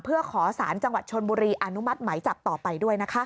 เพื่อขอสารจังหวัดชนบุรีอนุมัติไหมจับต่อไปด้วยนะคะ